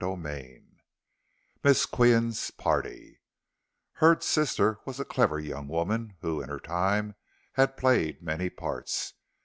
CHAPTER XXI MISS QIAN'S PARTY Hurd's sister was a clever young woman who in her time had played many parts.